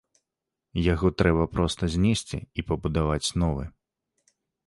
Яго трэба проста знесці і пабудаваць новы.